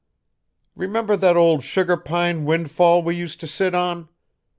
Remember the old sugar pine windfall we used to sit on?